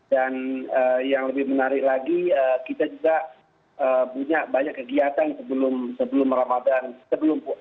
dan yang lebih menarik lagi kita juga punya banyak kegiatan sebelum ramadan